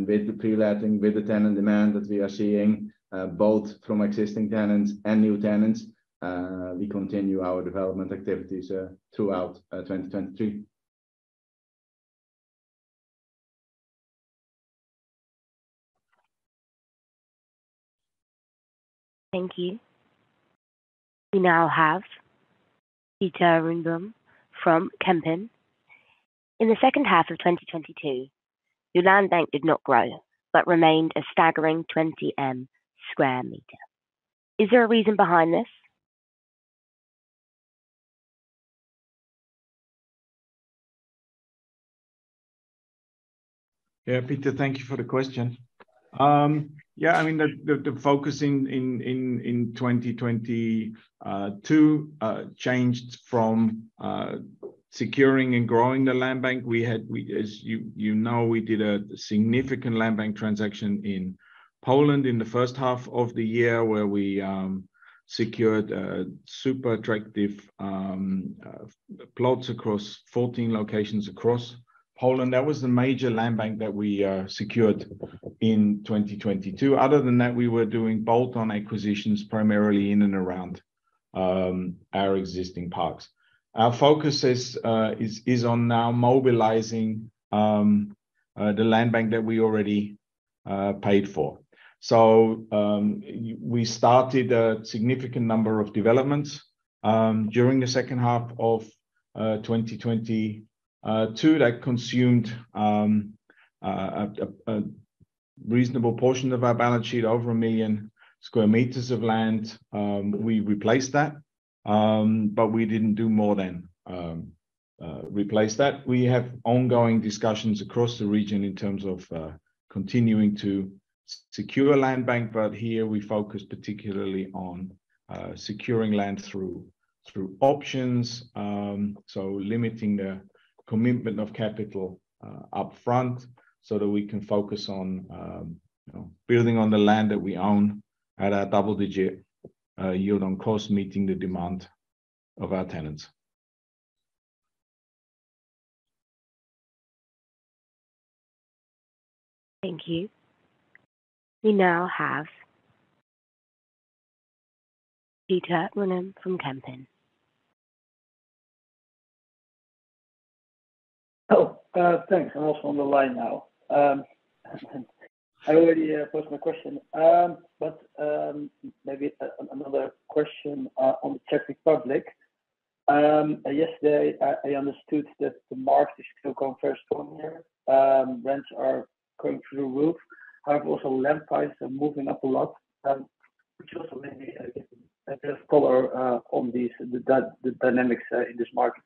Speaker 9: With the pre-letting, with the tenant demand that we are seeing, both from existing tenants and new tenants, we continue our development activities throughout 2023.
Speaker 4: Thank you. We now have Peter Ringbom from Kempen. In the second half of 2022, your land bank did not grow, but remained a staggering 20 M sq m. Is there a reason behind this?
Speaker 2: Yeah, Peter, thank you for the question. Yeah, I mean, the focus in 2022 changed from securing and growing the land bank. We had, as you know, we did a significant land bank transaction in Poland in the first half of the year where we secured super attractive plots across 14 locations across Poland. That was the major land bank that we secured in 2022. Other than that, we were doing bolt-on acquisitions primarily in and around our existing parks. Our focus is on now mobilizing the land bank that we already paid for. We started a significant number of developments during the second half of 2022 that consumed a reasonable portion of our balance sheet, over 1 million sq m of land. We replaced that, we didn't do more than replace that. We have ongoing discussions across the region in terms of continuing to secure land bank. Here we focus particularly on securing land through options. Limiting the commitment of capital up front that we can focus on building on the land that we own at a double-digit yield on cost, meeting the demand of our tenants.
Speaker 4: Thank you. We now have Peter K`ummunen from Kempen.
Speaker 10: Thanks. I'm also on the line now. I already posed my question. Maybe another question on the Czech Republic. Yesterday, I understood that the market is still going very strong there. Rents are going through the roof. Also land prices are moving up a lot, could you also maybe, I guess, address color on these, the dynamics, in this market?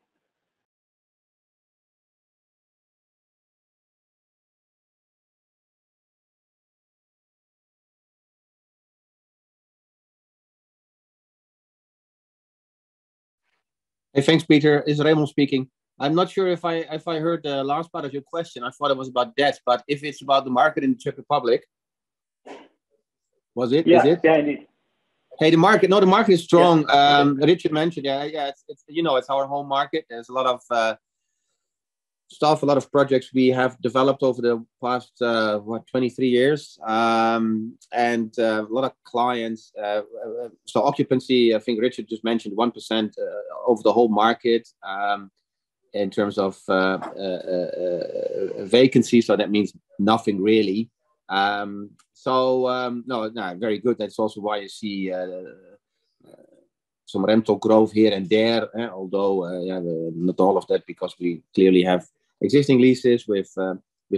Speaker 1: Hey, thanks, Peter. It's Remon speaking. I'm not sure if I heard the last part of your question. I thought it was about debt, but if it's about the market in the Czech Republic... Was it? Is it?
Speaker 10: Yeah. Yeah, it is.
Speaker 1: The market. The market is strong. Richard mentioned, yeah, it's, you know, it's our home market. There's a lot of stuff, a lot of projects we have developed over the past, what, 23 years. A lot of clients. Occupancy, I think Richard just mentioned 1% of the whole market, in terms of vacancy, so that means nothing really. No, very good. That's also why you see some rental growth here and there, although not all of that because we clearly have existing leases with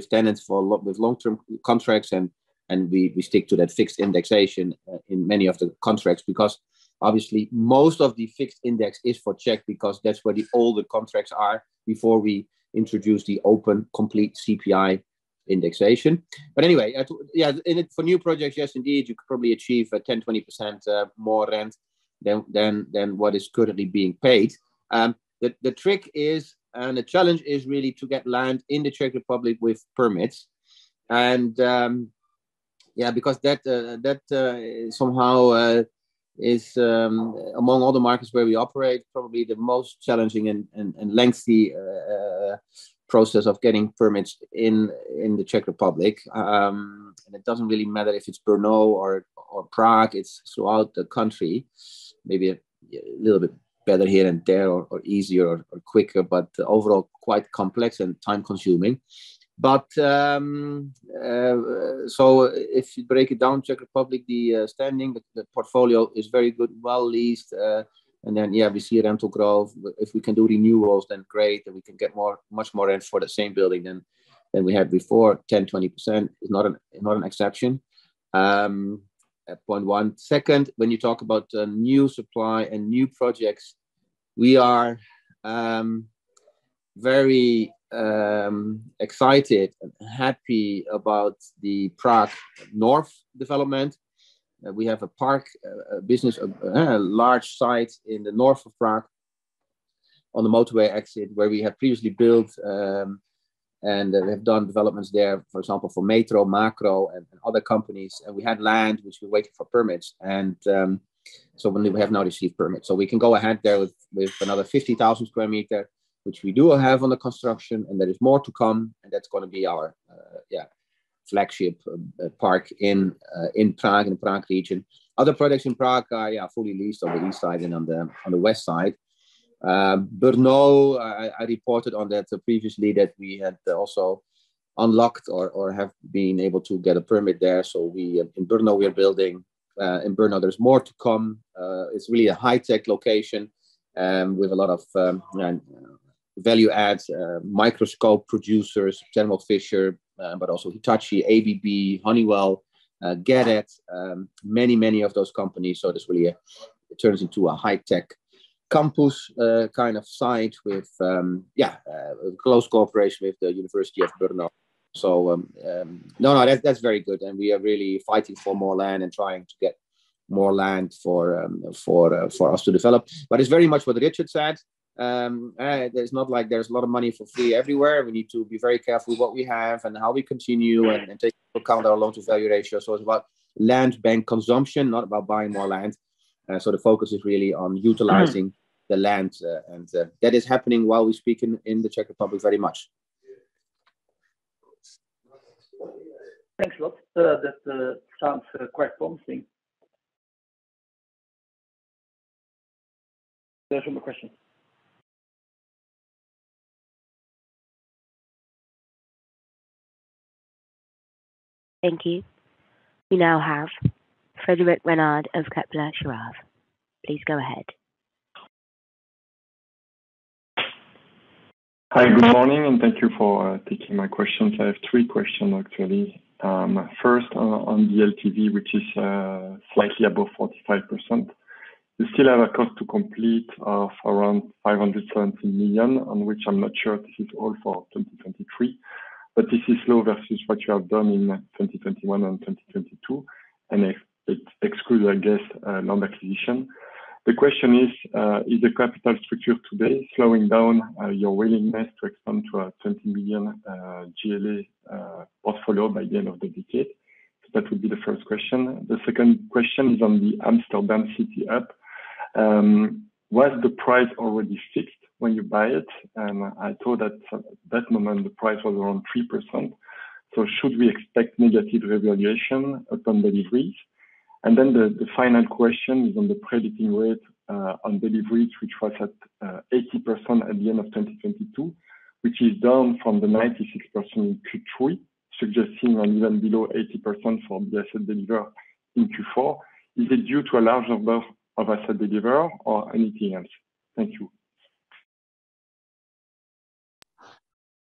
Speaker 1: tenants for a lot with long-term contracts, and we stick to that fixed indexation in many of the contracts because obviously most of the fixed index is for Czech because that's where the older contracts are before we introduce the open complete CPI indexation. Anyway, for new projects, yes, indeed, you could probably achieve a 10%, 20% more rent than what is currently being paid. the challenge is really to get land in the Czech Republic with permits. Yeah, because that somehow is among all the markets where we operate, probably the most challenging and lengthy process of getting permits in the Czech Republic. It doesn't really matter if it's Brno or Prague, it's throughout the country. Maybe a little bit better here and there or easier or quicker, but overall quite complex and time-consuming. If you break it down, Czech Republic, the standing, the portfolio is very good, well-leased. And then, yeah, we see rental growth. If we can do renewals, then great, then we can get much more rent for the same building than we had before. 10, 20% is not an exception. point one. Second, when you talk about new supply and new projects, we are very excited and happy about the Prague North development. We have a park, a business, large site in the north of Prague on the motorway exit where we have previously built and have done developments there, for example, for METRO, Makro and other companies. We had land which we waited for permits and so we have now received permits. So we can go ahead there with another 50,000 sq m, which we do have under construction, and there is more to come. That's gonna be our, yeah, flagship park in Prague, in Prague region. Other products in Prague are, yeah, fully leased on the east side and on the west side. Brno, I reported on that previously that we had also unlocked or have been able to get a permit there. In Brno, we are building. In Brno there's more to come. It's really a high tech location, with a lot of value adds, microscope producers, Thermo Fisher, but also Hitachi, ABB, Honeywell, Getat, many of those companies. This really turns into a high tech campus, kind of site with, yeah, close cooperation with the University of Brno. No, that's very good. We are really fighting for more land and trying to get more land for us to develop. It's very much what Richard said. It's not like there's a lot of money for free everywhere. We need to be very careful what we have and how we continue and take into account our loan-to-value ratio. It's about land bank consumption, not about buying more land. The focus is really on utilizing the land, and that is happening while we speak in the Czech Republic very much.
Speaker 11: Thanks a lot. That sounds quite promising. There's no more questions.
Speaker 4: Thank you. We now have Frédéric Renard of Kepler Cheuvreux. Please go ahead.
Speaker 12: Hi, good morning, and thank you for taking my questions. I have three questions actually. First on the LTV which is slightly above 45%. You still have a cost to complete of around 570 million, on which I'm not sure this is all for 2023. This is low versus what you have done in 2021 and 2022. Exclude, I guess, non-acquisition. The question is the capital structure today slowing down your willingness to expand to a 20 million GLA portfolio by the end of the decade? That would be the first question. The second question is on the Amsterdam City app. Was the price already fixed when you buy it? I thought at that moment the price was around 3%. Should we expect negative revaluation upon deliveries? The final question is on the predicting rate on deliveries, which was at 80% at the end of 2022, which is down from the 96% in Q3, suggesting even below 80% from the asset deliver in Q4. Is it due to a large number of asset deliver or anything else? Thank you.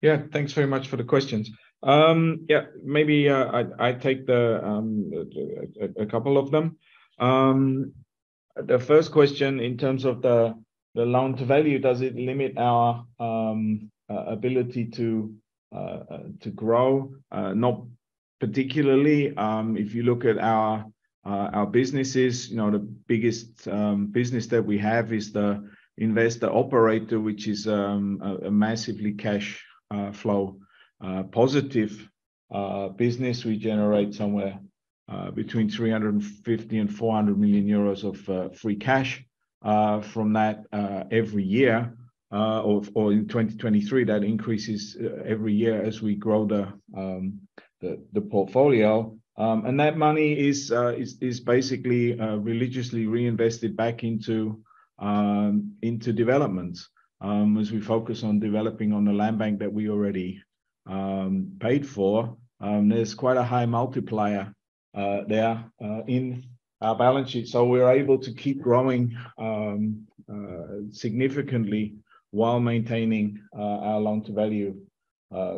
Speaker 2: Yeah, thanks very much for the questions. Yeah, maybe I take a couple of them. The first question in terms of the loan-to-value, does it limit our ability to grow? Not particularly. If you look at our businesses, you know, the biggest business that we have is the investor operator which is a massively cash flow positive business. We generate somewhere between 350 million and 400 million euros of free cash from that every year, or in 2023. That increases every year as we grow the portfolio. That money is basically religiously reinvested back into development. As we focus on developing on the land bank that we already paid for, there's quite a high multiplier there in our balance sheet. We're able to keep growing significantly while maintaining our loan-to-value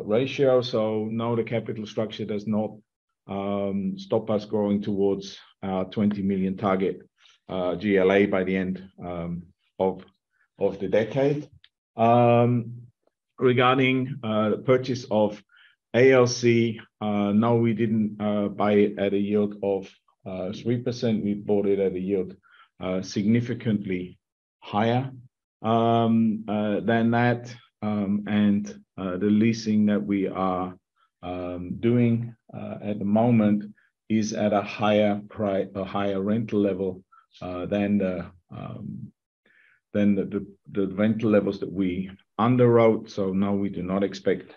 Speaker 2: ratio. No, the capital structure does not stop us growing towards our 20 million target GLA by the end of the decade. Regarding the purchase of ALC, no, we didn't buy it at a yield of 3%. We bought it at a yield significantly higher than that. The leasing that we are doing at the moment is at a higher rental level than the rental levels that we underwrote. No, we do not expect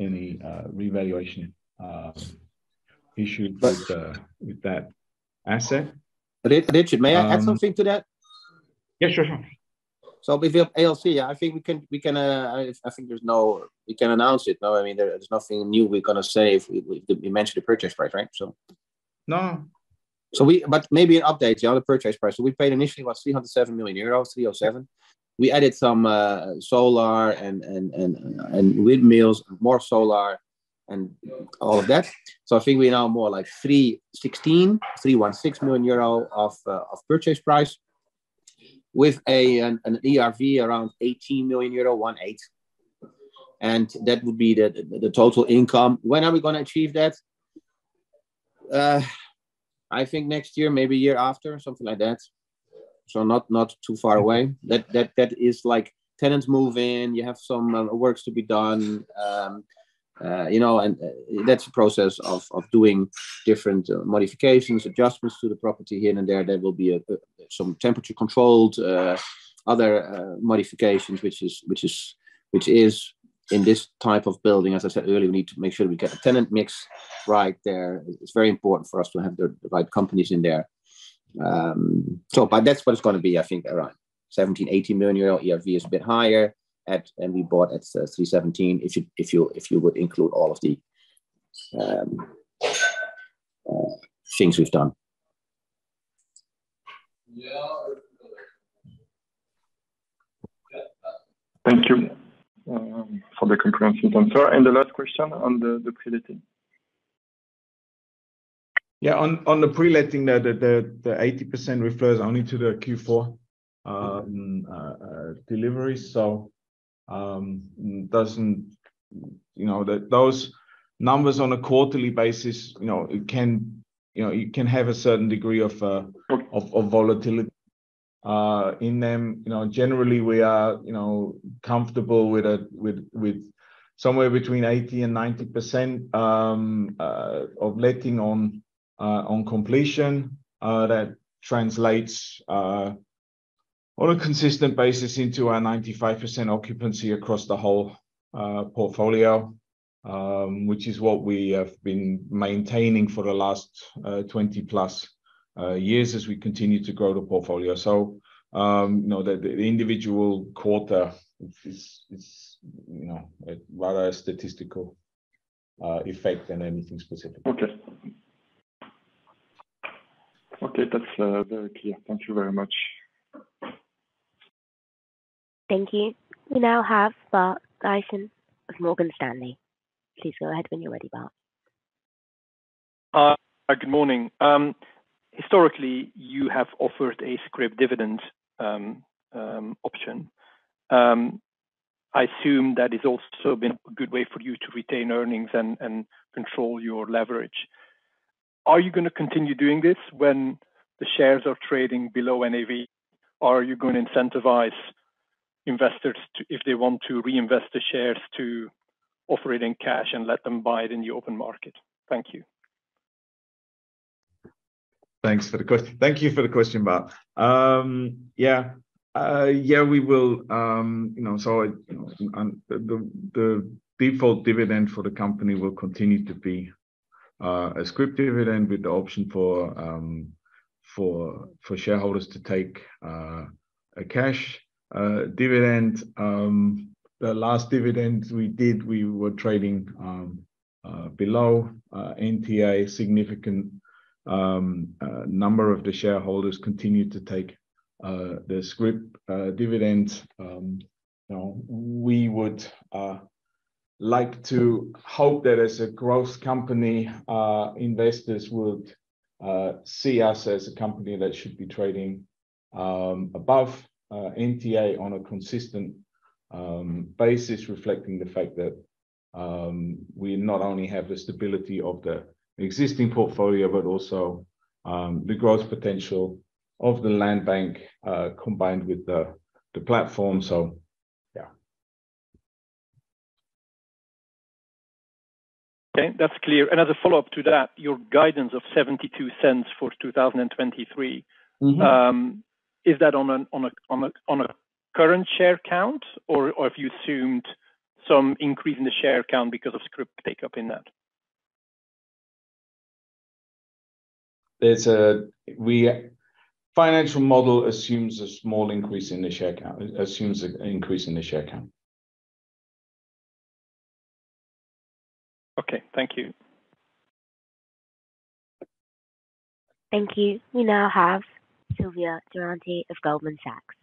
Speaker 2: any revaluation issued with that asset.
Speaker 1: Richard, may I add something to that?
Speaker 2: Yeah, sure.
Speaker 1: With the ALC, I think we can announce it. No, I mean, there's nothing new we're gonna say if we mention the purchase price, right?
Speaker 2: No.
Speaker 1: But maybe an update on the purchase price. We paid initially was 307 million euros, 307. We added some solar and windmills, more solar and all of that. I think we're now more like 316 million euro of purchase price with an ERV around 18 million euro, 18. That would be the total income. When are we gonna achieve that? I think next year, maybe year after, something like that. Not too far away. That is like tenants move in, you have some works to be done. You know, and that's a process of doing different modifications, adjustments to the property here and there. There will be some temperature controlled, other modifications which is in this type of building. As I said earlier, we need to make sure we get the tenant mix right there. It's very important for us to have the right companies in there. That's what it's gonna be, I think around 17.80 million euro. ERV is a bit higher and we bought at 3.17 if you would include all of the things we've done.
Speaker 12: Thank you, for the comprehensive answer. The last question on the pre-letting.
Speaker 2: Yeah, on the pre-letting, the 80% refers only to the Q4 delivery. You know, those numbers on a quarterly basis, you know, it can, you know, it can have a certain degree of volatility in them. You know, generally we are, you know, comfortable with somewhere between 80% and 90% of letting on completion. That translates on a consistent basis into our 95% occupancy across the whole portfolio, which is what we have been maintaining for the last 20+ years as we continue to grow the portfolio. You know, the individual quarter is, you know, rather a statistical effect than anything specific.
Speaker 12: Okay. That's very clear. Thank you very much.
Speaker 4: Thank you. We now have Bart Gysens of Morgan Stanley. Please go ahead when you're ready, Bart.
Speaker 13: Good morning. Historically, you have offered a scrip dividend option. I assume that it's also been a good way for you to retain earnings and control your leverage. Are you gonna continue doing this when the shares are trading below NAV? Or are you gonna incentivize investors to, if they want to reinvest the shares to offer it in cash and let them buy it in the open market? Thank you.
Speaker 2: Thank you for the question, Bart. Yeah. Yeah, we will, you know, so, you know, the default dividend for the company will continue to be a scrip dividend with the option for shareholders to take a cash dividend. The last dividend we did, we were trading below NTA. Significant number of the shareholders continued to take the scrip dividends. You know, we would like to hope that as a growth company, investors would see us as a company that should be trading above NTA on a consistent basis, reflecting the fact that we not only have the stability of the existing portfolio, but also the growth potential of the land bank combined with the platform. Yeah.
Speaker 13: Okay, that's clear. As a follow-up to that, your guidance of 0.72 for 2023.
Speaker 2: Mm-hmm
Speaker 13: Is that on a current share count? Or have you assumed some increase in the share count because of scrip take-up in that?
Speaker 2: Financial model assumes a small increase in the share count. It assumes an increase in the share count.
Speaker 13: Okay. Thank you.
Speaker 4: Thank you. We now have Silvia Durante of Goldman Sachs.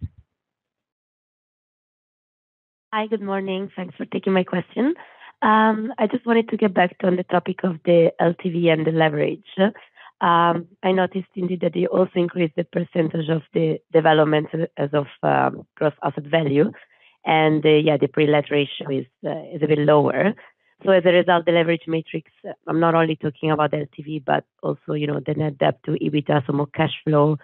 Speaker 14: Hi. Good morning. Thanks for taking my question. I just wanted to get back on the topic of the LTV and the leverage. I noticed indeed that you also increased the percentage of the development as of gross asset value. Yeah, the pre-leverage ratio is a bit lower. As a result, the leverage matrix, I'm not only talking about LTV, but also, you know, the net debt to EBITDA, so more cash flow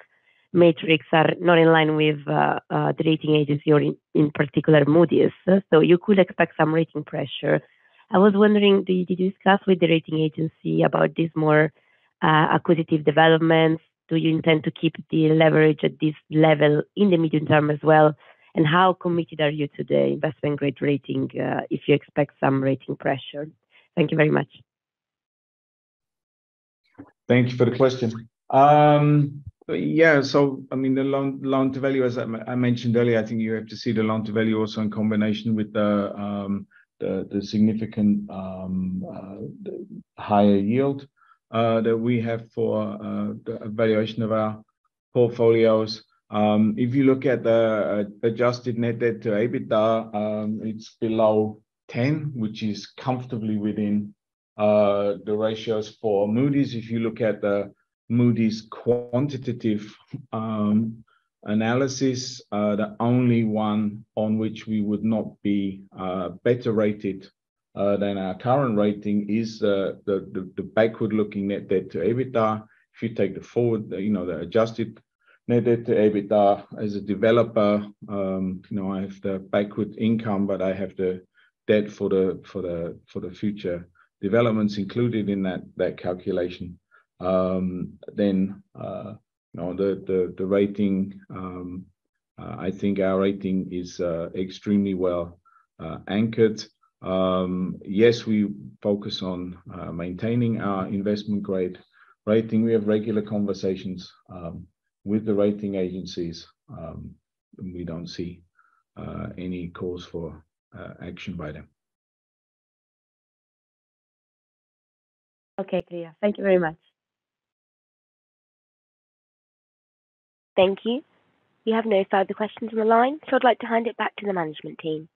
Speaker 14: metrics are not in line with the rating agency or in particular Moody's. You could expect some rating pressure. I was wondering, did you discuss with the rating agency about these more acquisitive developments? Do you intend to keep the leverage at this level in the medium term as well? How committed are you to the investment grade rating, if you expect some rating pressure? Thank you very much.
Speaker 2: Thank you for the question. I mean, the loan-to-value, as I mentioned earlier, I think you have to see the loan-to-value also in combination with the significant higher yield that we have for the valuation of our portfolios. If you look at the adjusted net debt to EBITDA, it's below 10, which is comfortably within the ratios for Moody's. If you look at the Moody's quantitative analysis, the only one on which we would not be better rated than our current rating is the backward looking net debt to EBITDA. If you take the forward, you know, the adjusted net debt to EBITDA as a developer, you know, I have the backward income, but I have the debt for the future developments included in that calculation. You know, the rating, I think our rating is extremely well anchored. Yes, we focus on maintaining our investment grade rating. We have regular conversations with the rating agencies. We don't see any cause for action by them.
Speaker 14: Okay. Clear. Thank you very much.
Speaker 4: Thank you. We have no further questions on the line, so I'd like to hand it back to the management team.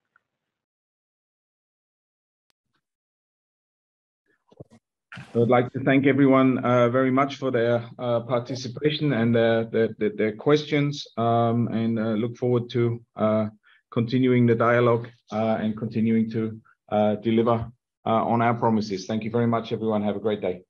Speaker 2: I would like to thank everyone, very much for their participation and their questions, and look forward to continuing the dialogue and continuing to deliver on our promises. Thank you very much, everyone. Have a great day.